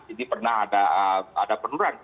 jadi pernah ada penurunan